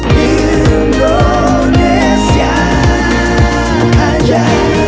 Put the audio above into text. di indonesia aja